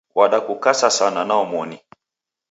Wadakukasa sana naomoni